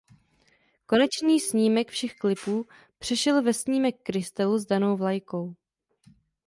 Konečný snímek všech klipů přešel ve snímek krystalu s danou vlajkou.